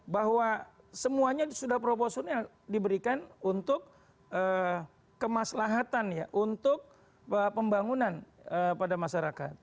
bahwa semuanya sudah proporsional diberikan untuk kemaslahatan ya untuk pembangunan pada masyarakat